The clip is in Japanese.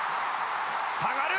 下がる！